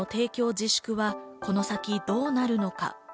自粛はこの先どうなるのか。